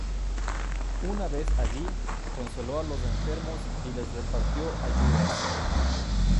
Una vez allí, consoló a los enfermos y les repartió ayudas.